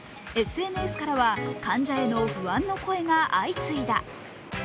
ＳＮＳからは患者への不安の声が相次いだ。